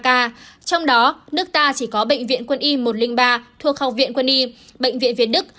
trong đó nước ta chỉ có bệnh viện quân y một trăm linh ba thuộc học viện quân y bệnh viện việt đức